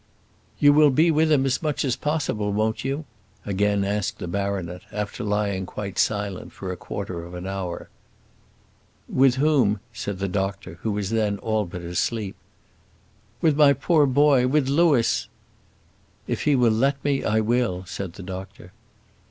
"You'll be with him as much as possible, won't you?" again asked the baronet, after lying quite silent for a quarter of an hour. "With whom?" said the doctor, who was then all but asleep. "With my poor boy; with Louis." "If he will let me, I will," said the doctor.